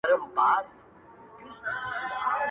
o پـــه دغـــه كـــوچــنــــي اخـــتــــــــره.